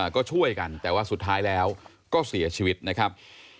ก็ช่วยกันแต่ว่าสุดท้ายแล้วก็เสียชีวิตนะครับ